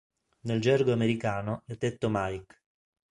Nel gergo americano, è detto "Mike".